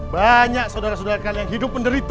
banyak saudara saudara kalian hidup penderita